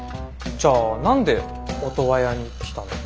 じゃあ何でオトワヤに来たの？